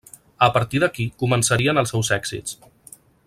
A partir d'aquí començarien els seus èxits.